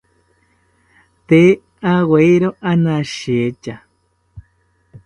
Tee rawiero ranashitya